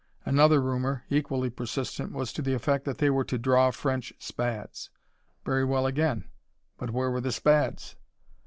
Another rumor, equally persistent, was to the effect that they were to draw French Spads. Very well again, but where were the Spads?